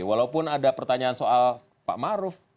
walaupun ada pertanyaan soal pak maruf